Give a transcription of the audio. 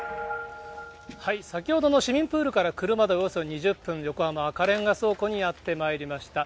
先ほどの市民プールから車でおよそ２０分、横浜・赤レンガ倉庫にやってまいりました。